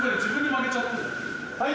はい！